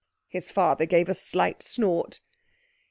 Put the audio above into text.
His father gave a slight snort.